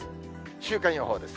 週間予報です。